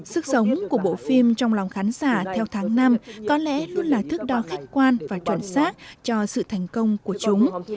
sức sống của bộ phim trong lòng khán giả theo tháng năm có lẽ luôn là thức đo khách quan và chuẩn xác cho sự thành công của chúng